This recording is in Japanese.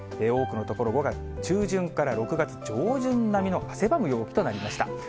多くの所、５月中旬から６月上旬並みの汗ばむ陽気となりました。